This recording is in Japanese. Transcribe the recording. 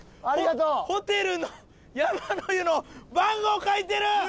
ありがとうホテルの山の湯の番号書いてる！